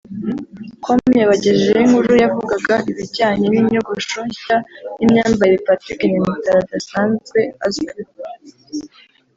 com yabagejejeho inkuru yavugaga ibijyanye n’inyogosho nshya n’imyambarire Patrick Nyamitari adasanzwe azwiho